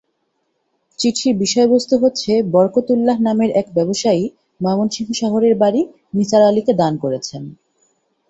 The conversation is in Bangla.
চিঠির বিষয়বস্তু হচ্ছে বরকতউল্লাহ নামের এক ব্যবসায়ী ময়মনসিংহ শহরের বাড়ি নিসার আলিকে দান করেছেন।